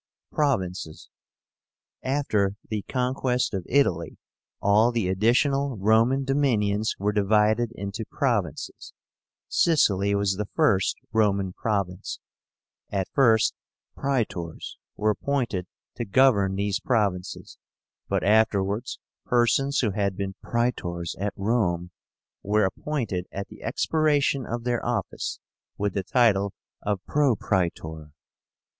PROVINCES. After the conquest of Italy, all the additional Roman dominions were divided into provinces. Sicily was the first Roman province. At first Praetors were appointed to govern these provinces; but afterwards persons who had been Praetors at Rome were appointed at the expiration of their office, with the title of PROPRAETOR.